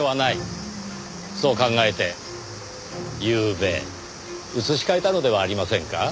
そう考えてゆうべ移し替えたのではありませんか？